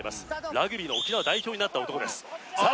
ラグビーの沖縄代表になった男ですさあ